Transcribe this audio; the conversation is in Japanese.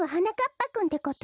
ぱくんってこと？